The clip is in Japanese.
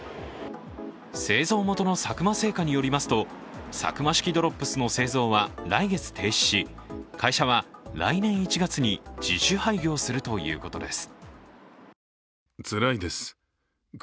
製造元の佐久間製菓によりますとサクマ式ドロップスの製造は来月停止し、会社は来年１月に自主廃業するということです。